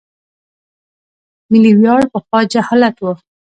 ملي ویاړ پخوا جهالت و.